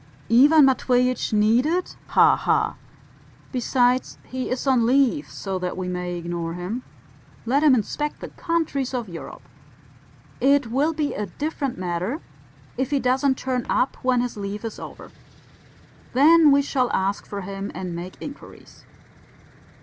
"Ivan Matveitch needed? Ha ha! Besides, he is on leave, so that we may ignore him let him inspect the countries of Europe! It will be a different matter if he doesn't turn up when his leave is over. Then we shall ask for him and make inquiries."